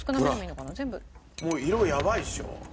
もう色やばいっしょ？